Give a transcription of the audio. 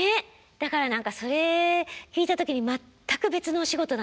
だからそれ聞いた時に全く別のお仕事だなと思って。